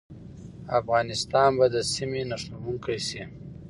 افغانستان به د سیمې نښلونکی شي؟